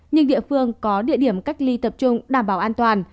nhưng địa phương có địa điểm cách ly tập trung đảm bảo an toàn